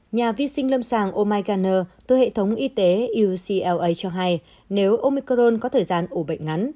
nhà vi sinh lâm sàng omiganer từ hệ thống y tế ucra cho hay nếu omicron có thời gian ủ bệnh ngắn